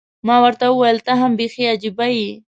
ما ورته وویل، ته هم بیخي عجيبه یې.